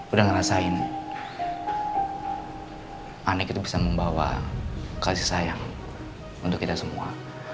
udah ngerasain anak itu bisa membawa kasih sayang untuk kita semua